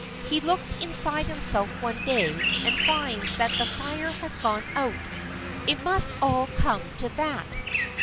He looks inside himself one day, and finds that the fire has gone out. It must all come to that.